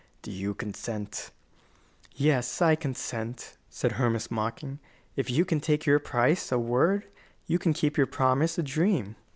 Do you consent?" "Yes. I consent," said Hermas, mocking. "If you can take your price, a word, you can keep your promise, a dream."